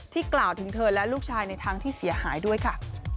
กล่าวถึงเธอและลูกชายในทางที่เสียหายด้วยค่ะ